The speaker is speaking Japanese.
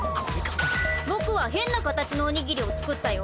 僕は変な形のおにぎりを作ったよ。